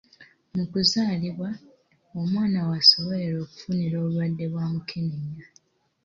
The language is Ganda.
Mu kuzaalibwa, omwana w'asobolera okufunira obulwadde bwa mukenenya.